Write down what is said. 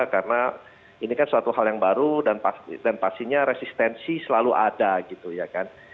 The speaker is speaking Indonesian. karena ini kan suatu hal yang baru dan pastinya resistensi selalu ada gitu ya kan